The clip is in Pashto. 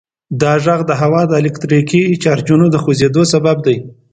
دا غږ د هوا د الکتریکي چارجونو د خوځیدو سبب دی.